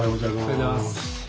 おはようございます。